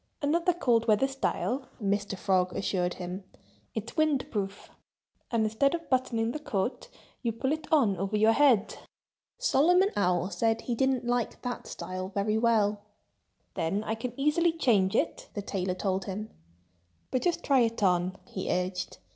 "Another cold weather style!" Mr. Frog assured him. "It's wind proof! And instead of buttoning the coat, you pull it on over your head." Solomon Owl said he didn't like that style very well. "Then I can easily change it," the tailor told him. "But just try it on!" he urged.